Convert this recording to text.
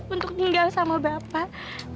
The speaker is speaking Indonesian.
untuk tinggal sama bapak